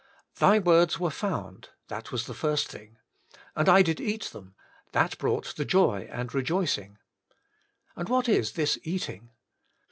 *' Thy words were found " that was the first thing. " And I did eat them ''— that brought the joy and rejoicing. And what is this eating?